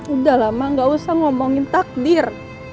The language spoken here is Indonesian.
udah lah mbak gak usah ngomongin takdir